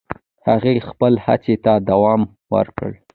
هغې خپل هڅې ته دوام ورکړ.